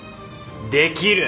できる。